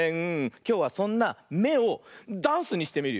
きょうはそんな「め」をダンスにしてみるよ。